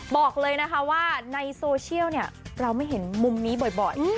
บอกเลยนะคะว่าในโซเชียลเนี่ยเราไม่เห็นมุมนี้บ่อย